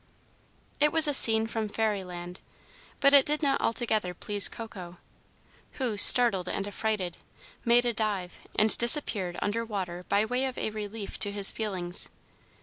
It was a scene from fairyland; but it did not altogether please Coco, who, startled and affrighted, made a dive, and disappeared under water by way of a relief to his feelings.